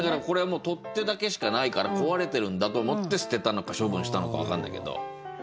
これはもう取っ手だけしかないから壊れてるんだと思って捨てたのか処分したのか分かんないけど。